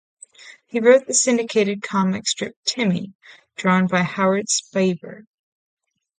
He wrote the syndicated comic strip "Timmy", drawn by Howard Sparber.